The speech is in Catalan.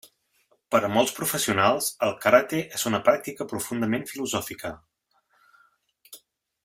Per a molts professionals, el karate és una pràctica profundament filosòfica.